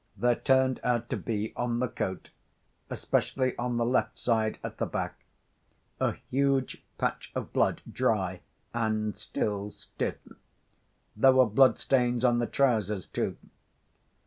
There turned out to be on the coat, especially on the left side at the back, a huge patch of blood, dry, and still stiff. There were bloodstains on the trousers, too.